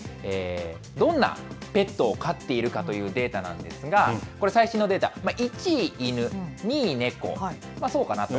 どんなペットを飼っているかというデータなんですが、これ最新のデータ、１位、犬、２位、猫、そうかなと。